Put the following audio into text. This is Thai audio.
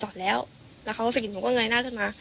เพราะว่าเนี่ยจอดแล้วแล้วเขาสะกิดหนูก็เงยหน้าขึ้นมา